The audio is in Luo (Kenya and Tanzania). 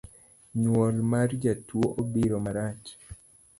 Nyuol mar jatuo obiro marach